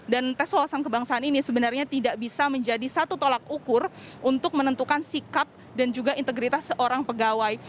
dan tes wawasan kebangsaan ini sebenarnya tidak bisa menjadi satu tolak ukur untuk menentukan sikap dan juga integritas seorang pegawai